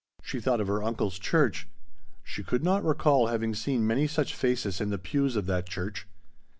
She thought of her uncle's church; she could not recall having seen many such faces in the pews of that church.